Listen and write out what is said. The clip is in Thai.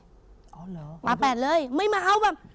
อ๋อเหรอมาแปดเลยไม่มาเอาแบบ